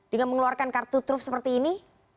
dengan mengeluarkan kartu truf seperti ini